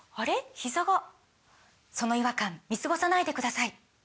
ひざがその違和感見過ごさないでください